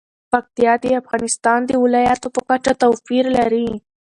پکتیا د افغانستان د ولایاتو په کچه توپیر لري.